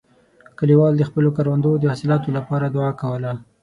کلیوال د خپلو کروندو د حاصلاتو لپاره دعا کوله.